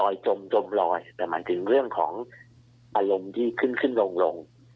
จมลอยแต่หมายถึงเรื่องของอารมณ์ที่ขึ้นขึ้นลงลง